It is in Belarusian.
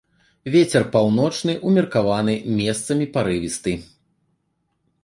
Вецер паўночны ўмеркаваны, месцамі парывісты.